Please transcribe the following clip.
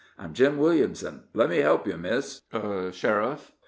I'm Jim Williamson. Let me help you miss sheriff."